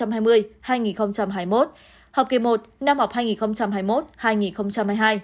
học kỳ một năm học hai nghìn hai mươi một hai nghìn hai mươi hai